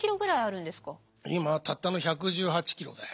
たったの１１８ｋｇだよ。